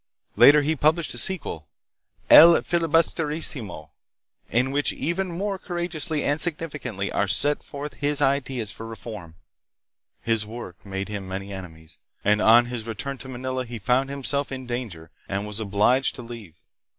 Later he published a sequel, El Filibusterismo, in which even more courageously and significantly are set forth his ideas for reform. His work made him many enemies, and on his return to Manila he found himself in danger and was obliged to leave.